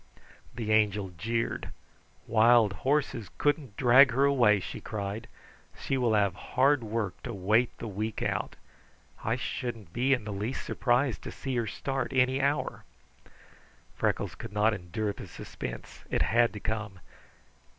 The Angel jeered. "Wild horses couldn't drag her away," she cried. "She will have hard work to wait the week out. I shouldn't be in the least surprised to see her start any hour." Freckles could not endure the suspense; it had to come.